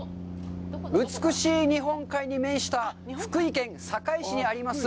美しい日本海に面した福井県坂井市にあります